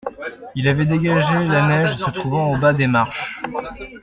Il avait dégagé la neige se trouvant au bas des marches.